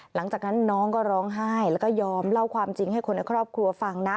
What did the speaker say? หลังจากนั้นน้องก็ร้องไห้แล้วก็ยอมเล่าความจริงให้คนในครอบครัวฟังนะ